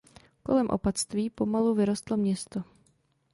Kolem opatství pomalu vyrostlo město.